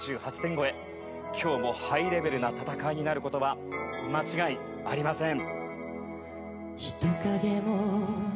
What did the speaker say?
今日もハイレベルな戦いになる事は間違いありません。